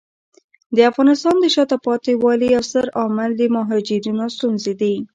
د افغانستان د شاته پاتې والي یو ستر عامل د مهاجرینو ستونزې دي.